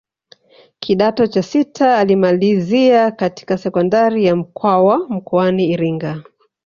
Kidato cha sita alimalizia katika sekondari ya Mkwawa mkoani Iringa